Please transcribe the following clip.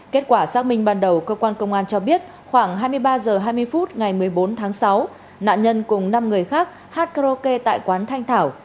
kết quả xác minh ban đầu cơ quan công an cho biết khoảng hai mươi ba h hai mươi phút ngày một mươi bốn tháng sáu nạn nhân cùng năm người khác hát karaoke tại quán thanh thảo